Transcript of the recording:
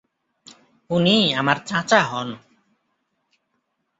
উনি আমার চাচা হন।